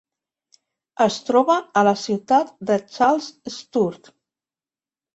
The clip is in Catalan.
Es troba a la ciutat de Charles Sturt.